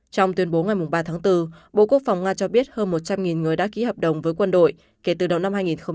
trong tuyên bố ngày ba tháng bốn bộ quốc phòng nga cho biết hơn một trăm linh người đã ký hợp đồng với quân đội kể từ đầu năm hai nghìn một mươi chín